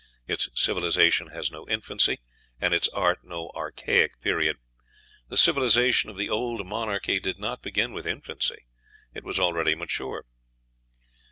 Its civilization has no infancy, and its art no archaic period. The civilization of the Old Monarchy did not begin with infancy. It was already mature."